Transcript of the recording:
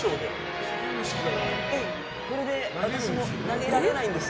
これで私も投げられないんです。